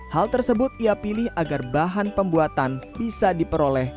hal tersebut ia pilih agar bahan pembuatan bisa diperoleh